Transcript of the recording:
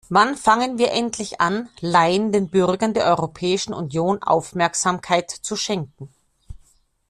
Wann fangen wir endlich an, Laien den Bürgern der Europäischen Union Aufmerksamkeit zu schenken?